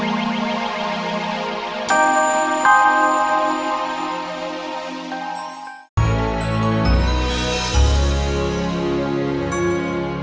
gak diam kayak gini kat